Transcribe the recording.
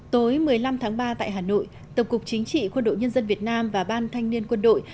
tối một mươi năm tháng ba tại hà nội tổng cục chính trị quân đội nhân dân việt nam và ban thanh niên quân đội